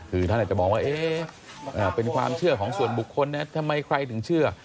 คือท่านอาจจะมองว่าเป็นความเชื่อของส่วนบุคคลนะทำไมใครถึงเชื่อ